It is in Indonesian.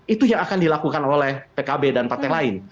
itu yang akan dilakukan oleh pkb dan partai lain